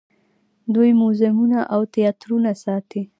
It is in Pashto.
دوی موزیمونه او تیاترونه ساتي.